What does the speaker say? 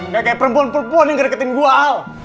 gak kayak perempuan perempuan yang ngeriketin gue